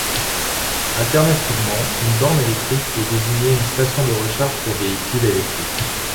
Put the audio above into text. Alternativement, une borne électrique peut désigner une station de recharge pour véhicules électriques.